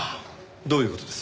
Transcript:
どういう事です？